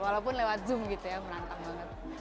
walaupun lewat zoom gitu ya menantang banget